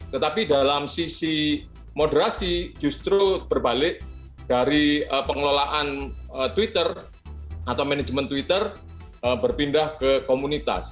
tetapi dalam sisi moderasi justru berbalik dari pengelolaan twitter atau manajemen twitter berpindah ke komunitas